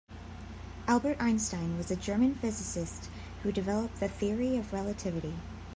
Albert Einstein was a German physicist who developed the Theory of Relativity.